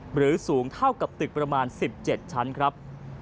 หรือสูงเท่ากับตึกประมาณ๑๗ชั้นครับ